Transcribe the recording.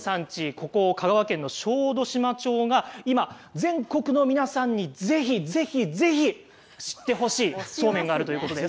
ここ、香川県の小豆島町が今、全国の皆さんにぜひぜひぜひ知ってほしいそうめんがあるということです。